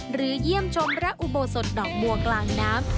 หรือเยี่ยมชมระอุบวสศดอกมวกลางน้ำ